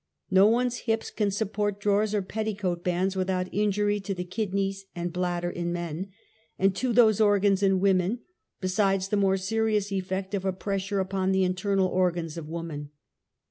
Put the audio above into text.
No one's hips can support drawers or petticoat bands w^ithout injury to the kidneys and bladder in men, and to those organs in woman, besides the more serious effect of a pressure upon the internal organs of woman.